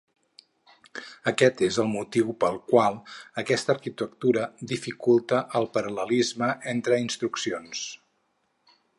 Aquest és el motiu pel qual aquesta arquitectura dificulta el paral·lelisme entre instruccions.